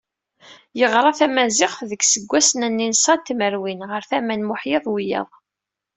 Yeɣra tamaziɣt, deg yiseggasen-nni n ṣa tmerwin, ɣer tama n Muḥya d wiyaḍ.